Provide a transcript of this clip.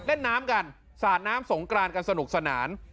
เล่นน้ำกันสาดน้ำสงกรานกันสนุกสนาน